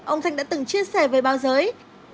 ông thanh đã từng chia sẻ với bao giới